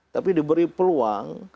tapi diberi peluang